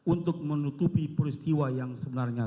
untuk menutupi peristiwa yang sebenarnya